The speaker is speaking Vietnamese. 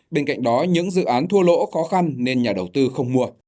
bên cạnh đó những dự án thua lỗ khó khăn nên nhà đầu tư không mua